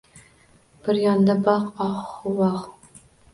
Bir yonda, boq, ohu voh…